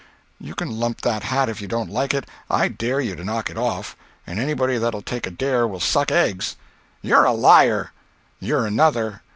"You can lump that hat if you don't like it. I dare you to knock it off—and anybody that'll take a dare will suck eggs." "You're a liar!" "You're another."